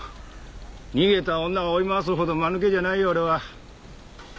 逃げた女を追い回すほど間抜けじゃないよ俺は。